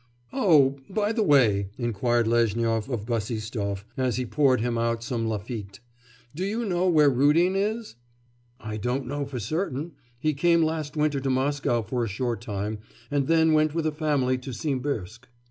'Oh, by the way,' inquired Lezhnyov of Bassistoff, as he poured him out some Lafitte, 'do you know where Rudin is?' 'I don't know for certain now. He came last winter to Moscow for a short time, and then went with a family to Simbirsk.